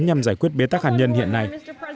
nhằm giải quyết bế tắc hàn nhân hiện nay